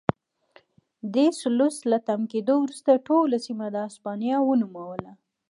ډي سلوس له تم کېدو وروسته ټوله سیمه د هسپانیا ونوموله.